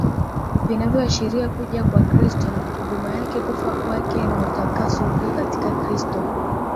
vinavyoashiria Kuja kwa Kristo Huduma yake kufa kwake na utakaso ulio katika Kristo